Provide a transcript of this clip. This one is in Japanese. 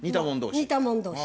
似たもん同士。